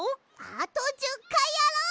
あと１０かいやろう！